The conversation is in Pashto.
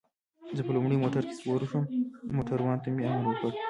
زه په لومړي موټر کې سپور شوم، موټروان ته مې امر وکړ.